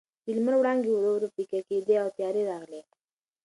د لمر وړانګې ورو ورو پیکه کېدې او تیارې راغلې.